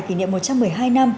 kỷ niệm một trăm một mươi hai năm